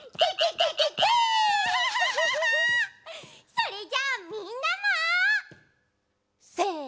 それじゃあみんなも！せの。